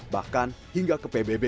bahkan hingga ke pbb